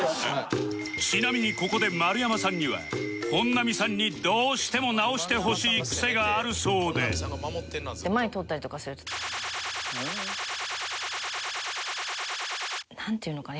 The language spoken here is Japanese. ちなみにここで丸山さんには本並さんにどうしても直してほしいクセがあるそうでなんていうのかね。